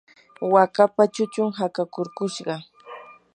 wakapa chuchun hakakurkushqa.